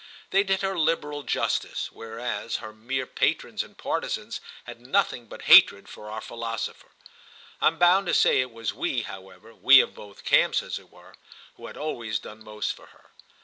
They did her liberal justice, whereas her mere patrons and partisans had nothing but hatred for our philosopher. I'm bound to say it was we, however—we of both camps, as it were—who had always done most for her.